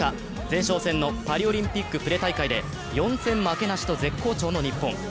前哨戦のパリオリンピックプレ大会で４戦負けなしと絶好調の日本。